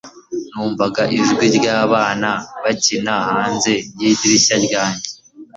Numvaga ijwi ryabana bakina hanze yidirishya ryanjye